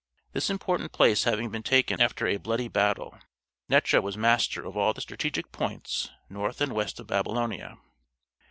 This important place having been taken after a bloody battle, Necho was master of all the strategic points north and west of Babylonia.